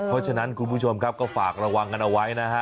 เพราะฉะนั้นคุณผู้ชมครับก็ฝากระวังกันเอาไว้นะฮะ